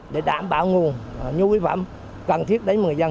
để đảm bảo nguồn nhu yếu phẩm cần thiết đến người dân